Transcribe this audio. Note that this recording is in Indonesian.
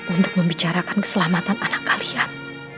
untuk membicarakan keselamatan anak kalian